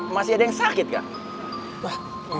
masih ada yang sakit kak